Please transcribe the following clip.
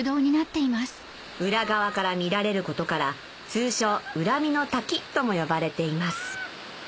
裏側から見られることから通称とも呼ばれています